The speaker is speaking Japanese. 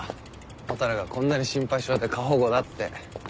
蛍がこんなに心配性で過保護だって。